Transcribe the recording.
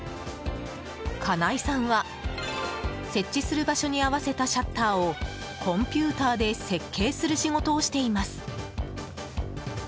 金井さんは設置する場所に合わせたシャッターをコンピューターで設計する仕事をしています。